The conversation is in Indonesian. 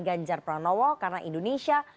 ganjar pranowo karena indonesia